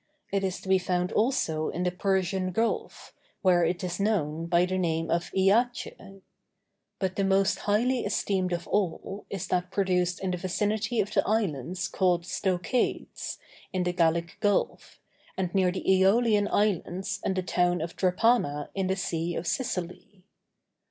It is to be found also in the Persian Gulf, where it is known by the name of "iace." But the most highly esteemed of all, is that produced in the vicinity of the islands called Stœchades, in the Gallic Gulf, and near the Æolian Islands and the town of Drepana in the Sea of Sicily.